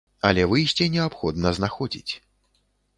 Але выйсце неабходна знаходзіць.